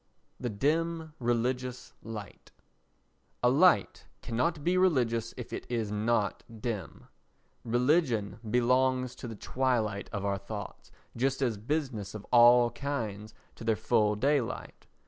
The Dim Religious Light A light cannot be religious if it is not dim. Religion belongs to the twilight of our thoughts, just as business of all kinds to their full daylight.